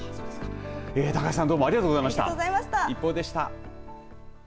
高橋さん、どうもありがとうございましたＩＰＰＯＵでした。